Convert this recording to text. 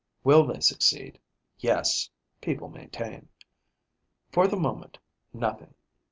Will they succeed? Yes, people maintain. For the moment, nothing.